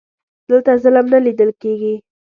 دلته ظلم نه لیده کیږي.